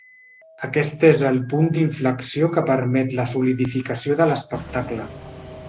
Aquest és el punt d’inflexió que permet la solidificació de l’espectacle.